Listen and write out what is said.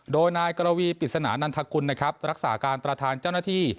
โดยนายกรวีปริศนานันทกุลนะครับรักษาการประธานเจ้าหน้าที่